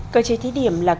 cơ chế thí điểm sẽ là tâm lai